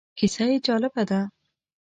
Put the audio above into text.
کیسه یې جالبه ده.